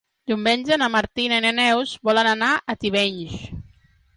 Diumenge na Martina i na Neus volen anar a Tivenys.